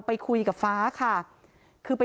ไปคุยกับฟ้าค่ะ